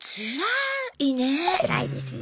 つらいですね。